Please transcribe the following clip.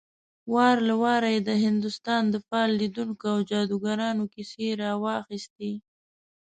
وار له واره يې د هندوستان د فال ليدونکو او جادوګرانو کيسې راواخيستې.